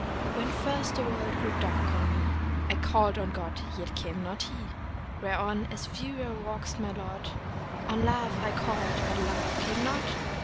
"VV7HEN first the world grew dark to me I call'd on God, yet came not he. Whereon, as wearier wax'd my lot, On Love I call'd, but Love came not.